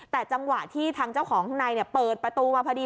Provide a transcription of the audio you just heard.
แต่จังหวะที่ทางเจ้าของข้างในเปิดประตูมาพอดี